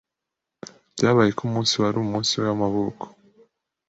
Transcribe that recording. Byabaye ko umunsi wari umunsi w'amavuko.